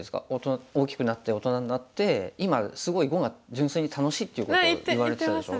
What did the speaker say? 大きくなって大人になって今すごい碁が純粋に楽しいってことを言われてたでしょ。